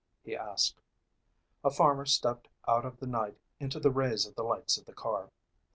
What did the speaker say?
he asked. A farmer stepped out of the night into the rays of the lights of the car.